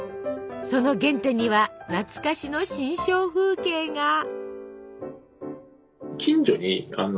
その原点には懐かしの心象風景が。